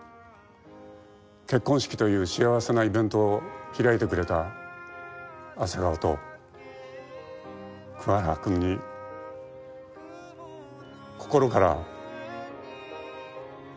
結婚式という幸せなイベントを開いてくれた朝顔と桑原君に心から。